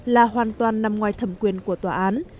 là hoàn toàn nằm ngoài thẩm quyền của tòa án